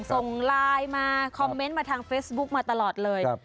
ส่งไลน์มาคอมเมนต์มาทางเฟซบุ๊กมาตลอดเลย